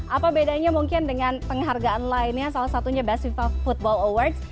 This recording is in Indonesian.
apa bedanya mungkin dengan penghargaan lainnya salah satunya besifat football awards